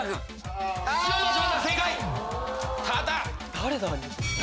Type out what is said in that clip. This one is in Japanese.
誰だ？